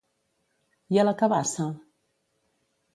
I a la cabassa?